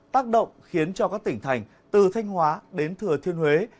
tác động khiến cho các tỉnh thành từ thanh hóa đến thừa thiên huế